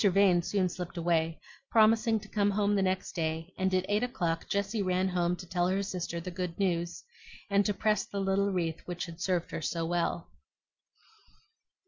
Vane soon slipped away, promising to come the next day; and at eight o'clock Jessie ran home to tell her sister the good news, and to press the little wreath which had served her so well.